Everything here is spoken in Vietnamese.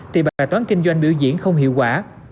thì bài toán kinh doanh biểu diễn không hiệu quả